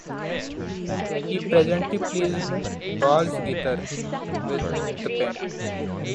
He presently plays bass guitar with the band.